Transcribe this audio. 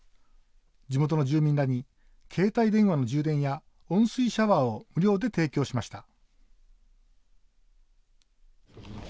地元の住民らに携帯電話の充電や温水シャワーを無料で提供しました。